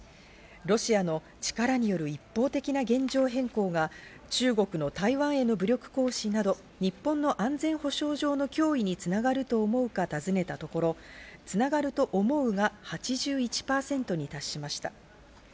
ロシアの力による一方的な現状変更が中国の台湾への武力行使など日本の安全保障上の脅威に繋がると思うかたずねたところ、つながると思うが８１％に達しました。